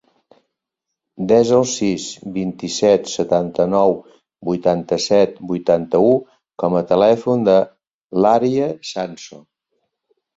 Desa el sis, vint-i-set, setanta-nou, vuitanta-set, vuitanta-u com a telèfon de l'Arya Sanso.